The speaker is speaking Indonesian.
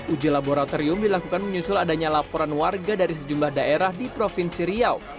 uji laboratorium dilakukan menyusul adanya laporan warga dari sejumlah daerah di provinsi riau